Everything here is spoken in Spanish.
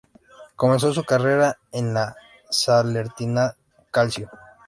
Comenzó su carrera en la Salernitana Calcio.